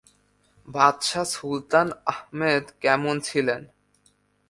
বাদশাহ সুলতান আহমেদ কেমন ছিলেন?